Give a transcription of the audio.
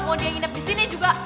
mau dia nginep disini juga